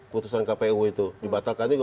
putusan kpu itu dibatalkan juga